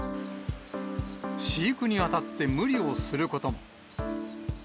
飼育にあたって無理をすることも。